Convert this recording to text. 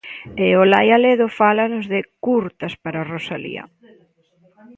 E Olaia Ledo fálanos de 'Curtas para Rosalía'.